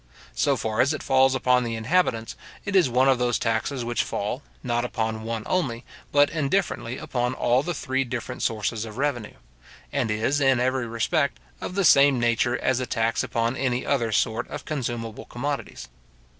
So far as it falls upon the inhabitants, it is one of those taxes which fall, not upon one only, but indifferently upon all the three different sources of revenue; and is, in every respect, of the same nature as a tax upon any other sort of consumable commodities.